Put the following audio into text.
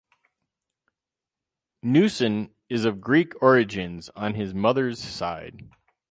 Newson is of Greek origins on his mother's side.